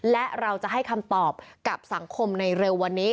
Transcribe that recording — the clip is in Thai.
และเราจะให้คำตอบกับสังคมในเร็ววันนี้